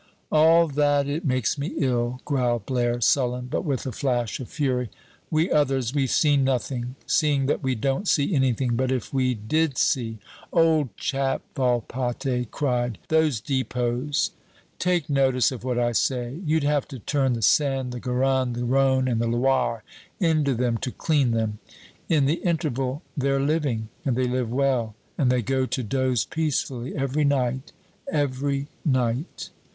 "All that, it makes me ill," growled Blaire, sullen, but with a flash of fury. "We others, we've seen nothing seeing that we don't see anything but if we did see !" "Old chap," Volpatte cried, "those depots take notice of what I say you'd have to turn the Seine, the Garonne, the Rhone and the Loire into them to clean them. In the interval, they're living, and they live well, and they go to doze peacefully every night, every night!"